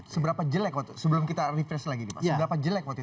seberapa jelek waktu sebelum kita refresh lagi nih pak seberapa jelek waktu itu